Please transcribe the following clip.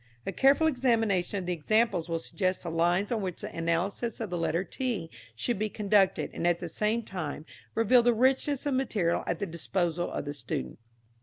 A careful examination of the examples will suggest the lines on which the analysis of the letter t should be conducted and at the same time reveal the richness of material at the disposal of the student.